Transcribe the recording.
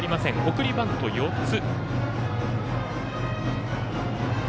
送りバント４つ。